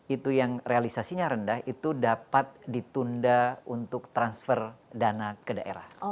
itu yang realisasinya rendah itu dapat ditunda untuk transfer dana ke daerah